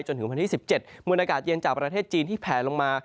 จนถึงวันที่๑๗มวลอากาศเย็นจากประเทศจีนที่แผลลงมา